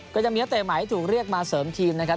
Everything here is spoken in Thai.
ก็จะมีนักเตะใหม่ถูกเรียกมาเสริมทีมนะครับ